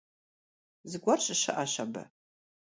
Зыгуэр щыщыӀэщ абы…